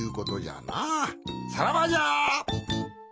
さらばじゃ！